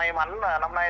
nói với anh là năm nay